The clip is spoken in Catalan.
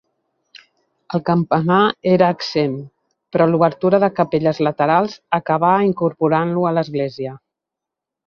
El campanar era exempt, però l'obertura de capelles laterals acabà incorporant-lo a l'església.